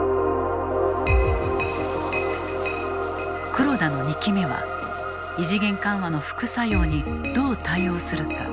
黒田の２期目は異次元緩和の副作用にどう対応するか。